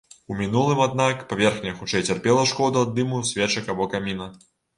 У мінулым, аднак, паверхня хутчэй цярпела шкоду ад дыму свечак або каміна.